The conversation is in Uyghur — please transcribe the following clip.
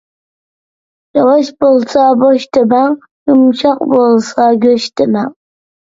ياۋاش بولسا بوش دېمەڭ، يۇمشاق بولسا گۆش دېمەڭ.